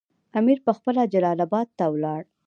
امیر پخپله جلال اباد ته ولاړ.